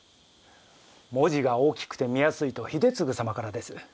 文字が大きくて見やすいと秀次様からです。